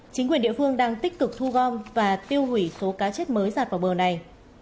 chính quyền địa phương đang tích cực thu gom và tiêu hủy số cá chết mới giạt vào bờ này